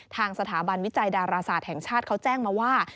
ทางสถาบันวิจัยดาราศาสตร์แห่งชาติเขาแจ้งมาว่า